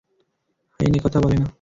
আইন একথা বলে না।